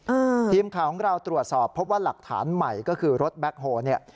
อ่าทีมข่าวของเราตรวจสอบพบว่าหลักฐานใหม่ก็คือรถแบ็คโฮเนี่ย